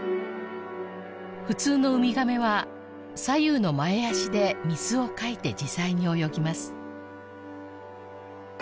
普通のウミガメは左右の前足で水をかいて自在に泳ぎます